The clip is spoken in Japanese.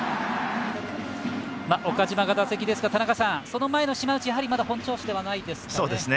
岡島が打席ですが、その前の島内やはり、まだ本調子ではないですかね。